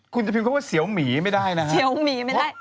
คุณจะพิมพ์คำว่าเสียวหมีไม่ได้นะฮะเสียวหมีไม่ได้